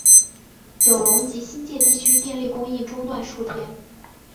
九龙及新界地区电力供应中断数天。